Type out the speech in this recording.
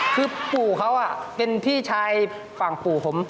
คือปู่เขาเป็นพี่ชายฝั่งปู่ผม